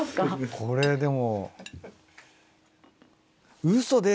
これでも。